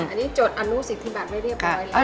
อันนี้จดอนุสิทธิบัตรไว้เรียบร้อยแล้ว